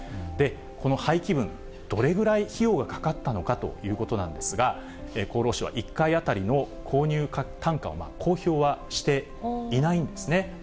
この廃棄分、どれぐらい費用がかかったのかということなんですが、厚労省は１回当たりの購入単価を公表はしていないんですね。